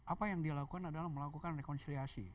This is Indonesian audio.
apa yang dia lakukan adalah melakukan rekonsiliasi